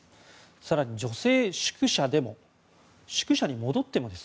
更に、女性宿舎でも宿舎に戻ってもです。